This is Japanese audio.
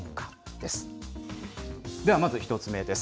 ではまず１つ目です。